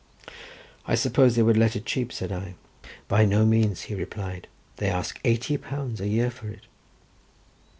"I suppose they would let it cheap," said I. "By no means," he replied, "they ask eighty pounds a year for it."